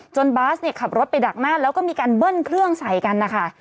บาสเนี่ยขับรถไปดักหน้าแล้วก็มีการเบิ้ลเครื่องใส่กันนะคะ